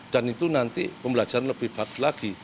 dan itu nanti pembelajaran lebih baik lagi